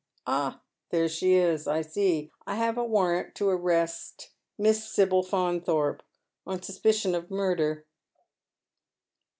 Ah ! there she is, I see. I have a wan ant to an est Miss Sibyl Faunthorpe— on suspicion of murder."